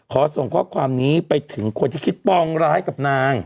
ส่งข้อความนี้ไปถึงคนที่คิดปองร้ายกับนาง